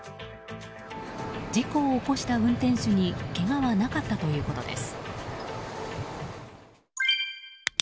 事故を起こした運転手にけがはなかったということです。